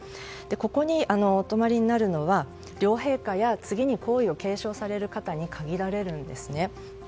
ここにお泊まりになるのは両陛下や次に皇位を継承される方に限られるんですね。